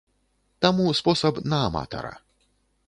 Таму спосаб на аматара.